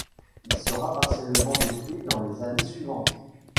Il sera partiellement détruit dans les années suivantes.